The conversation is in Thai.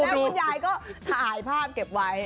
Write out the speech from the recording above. แล้วคุณยายก็ถ่ายภาพเก็บไว้